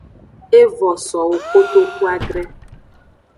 Evo sowo kotuadre.